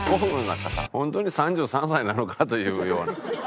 本当に３３歳なのか？というような。